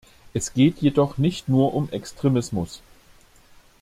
Es geht jedoch nicht nur um Extremismus.